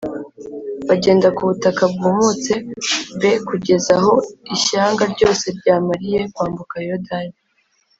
bagenda ku butaka bwumutse b kugeza aho ishyanga ryose ryamariye kwambuka Yorodani